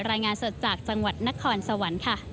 รายงานสดจากจังหวัดนครสวรรค์ค่ะ